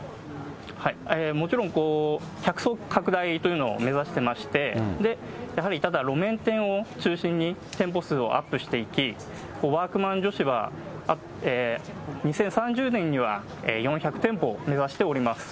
もちろん客層拡大というのを目指してまして、やはりただ路面店を中心に店舗数をアップしていき、ワークマン女子は、２０３０年には４００店舗を目指しております。